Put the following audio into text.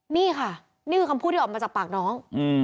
นี่ค่ะนี่คือคำพูดที่ออกมาจากปากน้อง